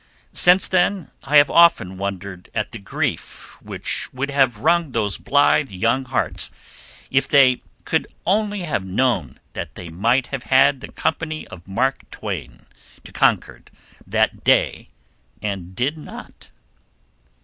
Since then I have often wondered at the grief which would have wrung those blithe young hearts if they could have known that they might have had the company of Mark Twain to Concord that day and did not.